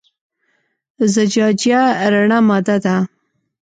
زجاجیه رڼه ماده ده.